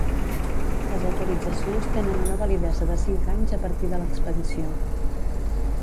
Les autoritzacions tenen una validesa de cinc anys a partir de l'expedició.